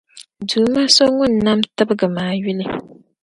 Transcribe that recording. Duuma so Ŋun nam tibgi maa yuli.